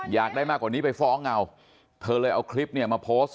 อยากได้มากกว่านี้ไปฟ้องเอาเธอเลยเอาคลิปเนี่ยมาโพสต์